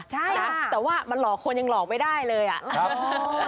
ใช่นะแต่ว่ามันหลอกคนยังหลอกไม่ได้เลยอ่ะครับ